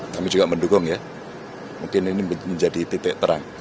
kami juga mendukung ya mungkin ini menjadi titik terang